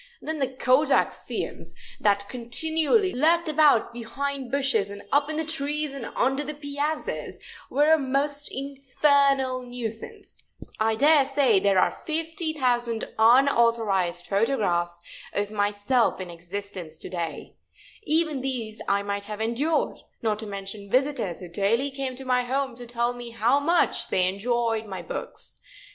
Then the kodak fiends, that continually lurked about behind bushes and up in the trees and under the piazzas, were a most infernal nuisance. I dare say there are 50,000 unauthorized photographs of myself in existence to day. Even these I might have endured, not to mention visitors who daily came to my home to tell me how much they had enjoyed my books.